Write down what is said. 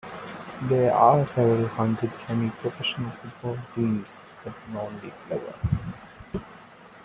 There are several hundred semi-professional football teams at non-League level.